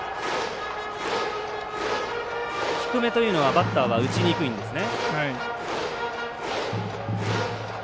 低めというのはバッターは打ちにくいんですね。